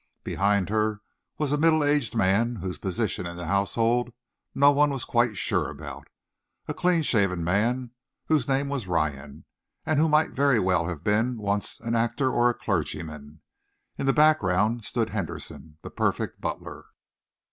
Behind her was a middle aged man whose position in the household no one was quite sure about a clean shaven man whose name was Ryan, and who might very well have been once an actor or a clergyman. In the background stood Henderson, the perfect butler.